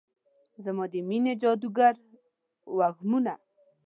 زما د میینې جادوګر وږمونه